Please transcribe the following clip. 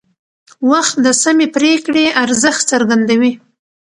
وخت د سمې پرېکړې ارزښت څرګندوي